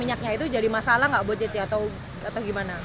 ya itu jadi masalah gak buat ceci atau gimana